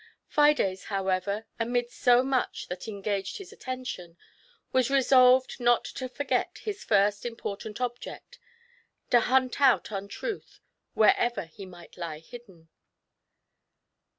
Fides, however, amidst so much that engaged his attention, was resolved not to forget his first important object, to hunt out Untruth wherever he might lie hidden.